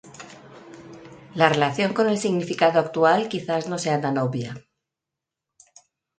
La relación con el significado actual quizás no sea tan obvia.